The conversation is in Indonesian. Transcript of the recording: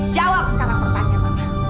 jawab sekarang pertanyaan mama